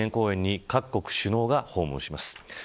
間もなく平和記念公園に各国首脳が訪問します。